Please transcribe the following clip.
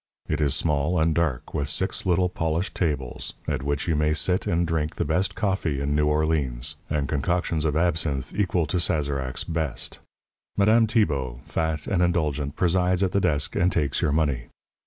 It is small and dark, with six little polished tables, at which you may sit and drink the best coffee in New Orleans, and concoctions of absinthe equal to Sazerac's best. Madame Tibault, fat and indulgent, presides at the desk, and takes your money.